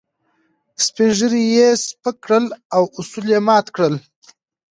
سپين ږيري يې سپک کړل او اصول يې مات کړل.